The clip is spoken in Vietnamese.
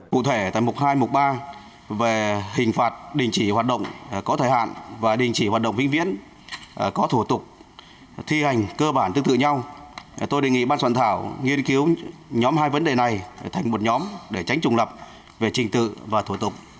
cụ thể tại mục hai mục ba về hình phạt đình chỉ hoạt động có thời hạn và đình chỉ hoạt động vĩnh viễn có thủ tục thi hành cơ bản tương tự nhau tôi đề nghị ban soạn thảo nghiên cứu nhóm hai vấn đề này thành một nhóm để tránh trùng lập về trình tự và thủ tục